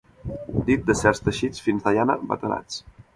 Dit de certs teixits fins de llana batanats.